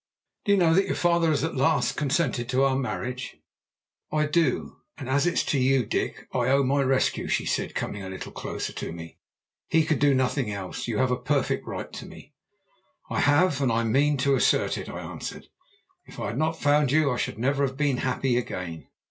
Do you know that your father has at last consented to our marriage?" "I do. And as it is to you, Dick, I owe my rescue," she said, coming a little closer to me, "he could do nothing else; you have a perfect right to me." "I have, and I mean to assert it!" I answered. "If I had not found you, I should never have been happy again."